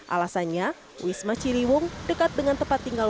alasannya wisma ciliwung dekat dengan tempat tinggal